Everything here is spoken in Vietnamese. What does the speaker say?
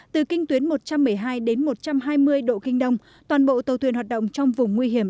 từ kinh tuyến một trăm một mươi hai đến một trăm hai mươi độ kinh đông toàn bộ tàu thuyền hoạt động trong vùng nguy hiểm